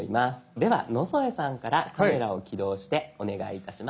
では野添さんからカメラを起動してお願いいたします。